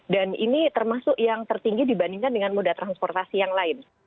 dan ini termasuk yang tertinggi dibandingkan dengan modal transportasi yang lain